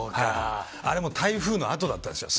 あれも台風のあとだったんですよ。